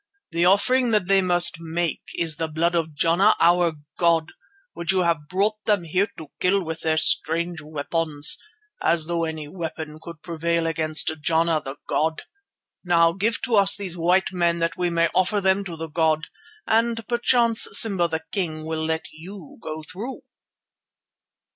The offering that they must make is the blood of Jana our god, which you have brought them here to kill with their strange weapons, as though any weapon could prevail against Jana the god. Now, give to us these white men that we may offer them to the god, and perchance Simba the King will let you go through."